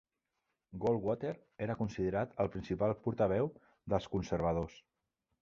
Goldwater era considerat el principal portaveu dels conservadors.